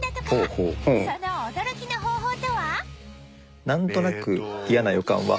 その驚きの方法とは？